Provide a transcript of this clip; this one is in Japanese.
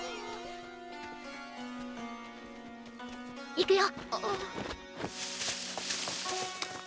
行くよ。